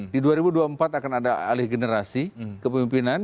di dua ribu dua puluh empat akan ada alih generasi kepemimpinan